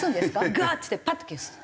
ガーッてやってパッと消す。